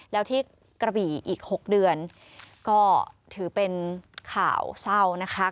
แล้วที่กระบี่อีก๖เดือนก็ถือเป็นข่าวเศร้านะคะ